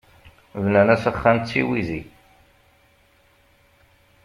Bnan-as axxam d tiwizi.